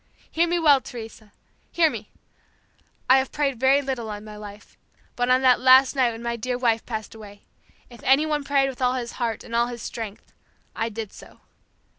Hear me well, Teresa! Hear me! I have prayed very little in my life, but on that last night when my dear wife passed away, if anyone prayed with all his heart and all his strength, I did so.